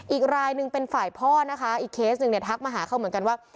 อีกรายหนึ่งเป็นฝ่ายพ่อนะคะอีกเคสหนึ่งเนี่ยทักมาหาเขาเหมือนกันว่า